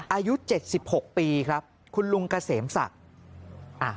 อายุ๗๖ปีครับคุณลุงเกษมศักดิ์